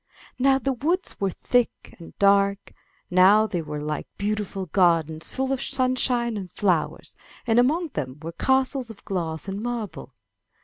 Now the woods were thick and dark, now they were like beautiful gardens full of sunshine and flowers, and among them were castles of glass and marble.